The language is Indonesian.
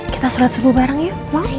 kita surat subuh bareng ya